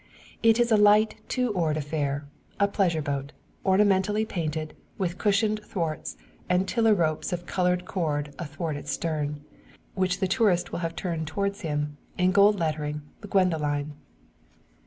It is a light two oared affair a pleasure boat, ornamentally painted, with cushioned thwarts, and tiller ropes of coloured cord athwart its stern, which the tourist will have turned towards him, in gold lettering, "The Gwendoline."